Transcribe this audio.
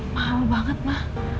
mahal banget ma